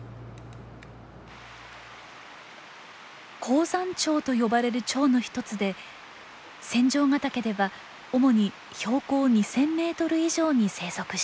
高山蝶と呼ばれるチョウの一つで仙丈ヶ岳では主に標高２，０００メートル以上に生息しています。